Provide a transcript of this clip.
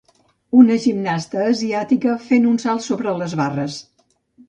una gimnasta asiàtica fent un salt sobre les barres